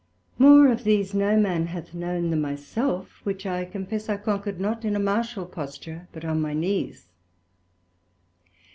More of these no man hath known than my self, which I confess I conquered, not in a martial posture, but on my Knees.